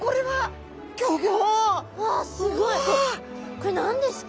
これ何ですか？